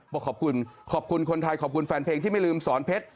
บอกขอบคุณขอบคุณคนไทยขอบคุณแฟนเพลงที่ไม่ลืมสอนเพชร